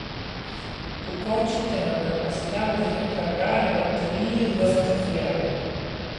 O coche ten a capacidade de recargar a batería durante a freada.